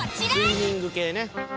スイミング系ね。